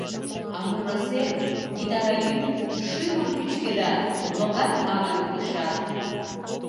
А муро сем, гитара йӱк шӱмым пӱчкедат, логар аҥым ишат.